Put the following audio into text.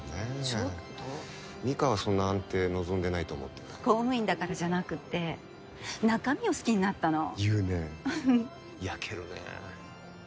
ちょっと美香はそんな安定望んでないと思ってた公務員だからじゃなくて中身を好きになったの言うねやけるね